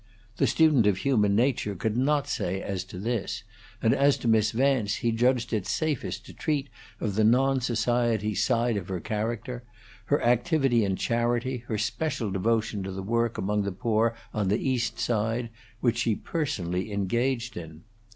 The student of human nature could not say as to this, and as to Miss Vance he judged it safest to treat of the non society side of her character, her activity in charity, her special devotion to the work among the poor on the East Side, which she personally engaged in.